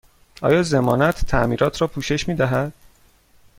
آیا ضمانت تعمیرات را پوشش می دهد؟